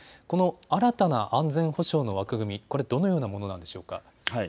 この新たな安全保障の枠組み、どのようなものなのでしょうか。